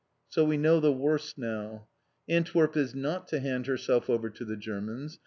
So we know the worst now. Antwerp is not to hand herself over to the Germans.